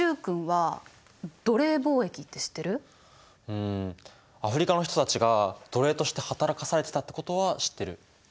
うんアフリカの人たちが奴隷として働かされてたってことは知ってる。